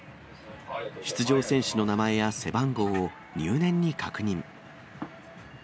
出場選手の名前や背番号を入念に確認。